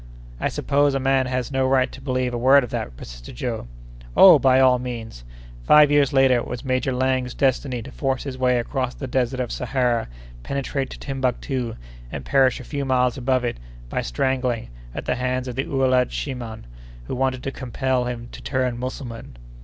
"I suppose a man has a right not to believe a word of that!" persisted Joe. "Oh, by all means!—Five years later, it was Major Laing's destiny to force his way across the desert of Sahara, penetrate to Timbuctoo, and perish a few miles above it, by strangling, at the hands of the Ouelad shiman, who wanted to compel him to turn Mussulman."